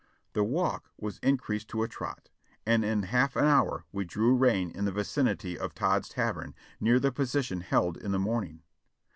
The walk was increased to a trot, and in half an hour we drew rein in the vicinity of Todd's Tavern, near the position held in the morning".